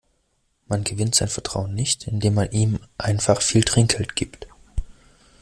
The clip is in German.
Man gewinnt sein Vertrauen nicht, indem man ihm einfach viel Trinkgeld gibt.